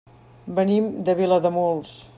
Venim de Vilademuls.